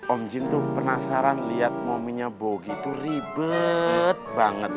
om jin tuh penasaran liat maminya bogi tuh ribet banget